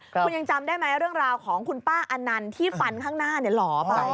คุณยังจำได้ไหมเรื่องราวของคุณป้าอนันต์ที่ฟันข้างหน้าหล่อไป